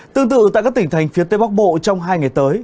tương tự tại các tỉnh thành phía tây bắc bộ trong hai ngày tới